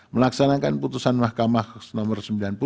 melaksanakan putusan mahkamah nomor sembilan puluh dua ribu dua puluh tiga